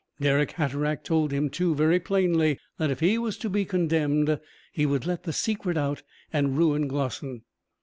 Dirck Hatteraick told him, too, very plainly, that if he was to be condemned he would let the secret out and ruin Glossin.